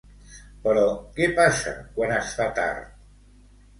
Però què passa quan es fa tard?